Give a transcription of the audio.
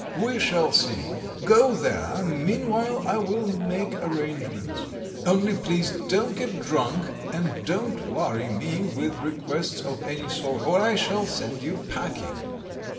"We shall see. Go there; meanwhile I will make arrangements. Only please don't get drunk, and don't worry me with requests of any sort, or I shall send you packing."